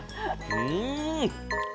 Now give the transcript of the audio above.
◆うん。